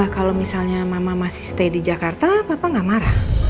kalau misalnya mama masih stay di jakarta papa nggak marah